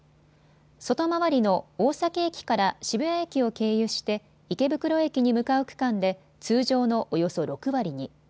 外回りの大崎駅から渋谷駅を経由して池袋駅に向かう区間で通常のおよそ６割に。